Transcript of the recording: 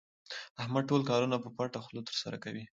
احمد ټول کارونه په پټه خوله ترسره کوي.